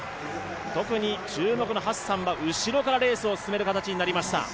特に注目のハッサンは後ろからレースを進める展開になりました。